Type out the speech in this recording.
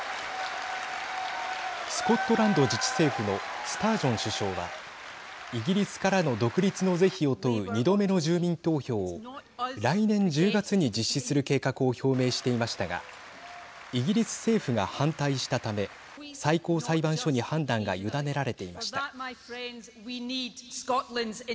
スコットランド自治政府のスタージョン首相はイギリスからの独立の是非を問う２度目の住民投票を来年１０月に実施する計画を表明していましたがイギリス政府が反対したため最高裁判所に判断が委ねられていました。